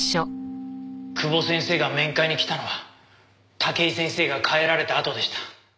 久保先生が面会に来たのは武井先生が帰られたあとでした。